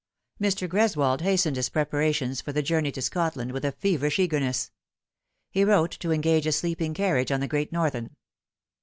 Mr. Greswold hastened his preparations for the journey to Scotland with a feverish eagerness. He wrote to engage a sleeping carriage on the Great Northern.